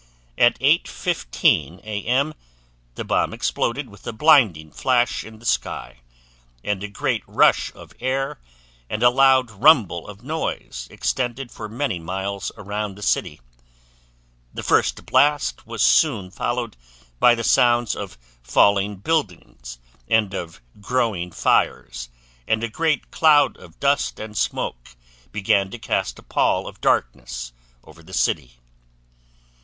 At 8:15 A.M., the bomb exploded with a blinding flash in the sky, and a great rush of air and a loud rumble of noise extended for many miles around the city; the first blast was soon followed by the sounds of falling buildings and of growing fires, and a great cloud of dust and smoke began to cast a pall of darkness over the city.